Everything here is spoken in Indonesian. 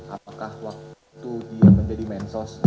apakah waktu dia menjadi mensos